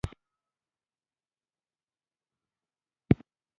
پیاز د توښو ضد ماده لري